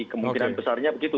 kemungkinan besarnya begitu